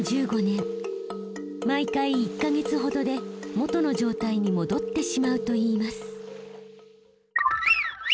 毎回１か月ほどで元の状態に戻ってしまうといいます。